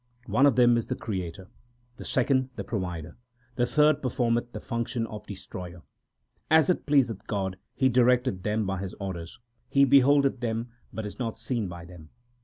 4 One of them is the creator, the second the provider, the third performeth the function of destroyer. 5 As it pleaseth God, He directeth them by His orders. He beholdeth them, but is not seen by them.